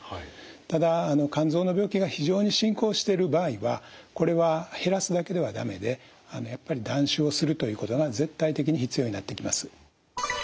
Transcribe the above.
ただ肝臓の病気が非常に進行してる場合はこれは減らすだけでは駄目でやっぱり断酒をするということが絶対的に必要になってきます。